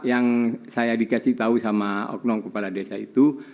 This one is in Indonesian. yang saya dikasih tahu sama oknum kepala desa itu